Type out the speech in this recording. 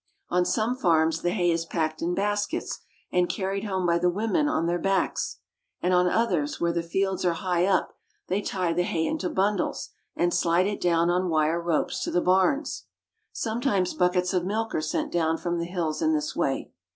On some farms the hay is packed in baskets and carried home by the women on their backs, and on others, where the fields are high up, they tie the hay into bundles and slide it down on wire ropes to the barns. Sometimes buckets of milk are sent down from the hills in this way.